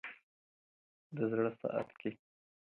د زړه ساعت كي